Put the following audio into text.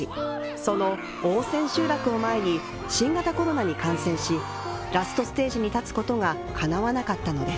その大千秋楽を前に新型コロナに感染しラストステージに立つことがかなわなかったのです。